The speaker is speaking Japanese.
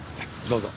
どうぞ。